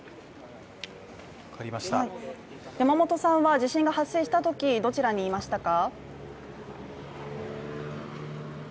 山本さんは地震が発生したときどちらにいましたか？